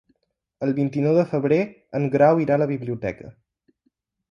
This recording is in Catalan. El vint-i-nou de febrer en Grau irà a la biblioteca.